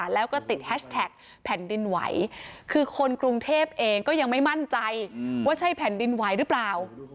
แล้วก็ติดแฮชแท็กแผ่นดินไหวคือคนกรุงเทพเองก็ยังไม่มั่นใจว่าใช่แผ่นดินไหวหรือเปล่า